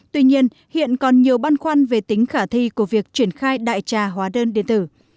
tuy nhiên hiện còn nhiều băn khoăn về tính khả thi của việc triển khai đại trà hóa đơn điện tử